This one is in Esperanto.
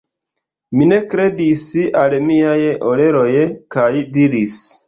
Mi ne kredis al miaj oreloj kaj diris: